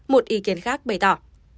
một ý kiến khác bày tỏ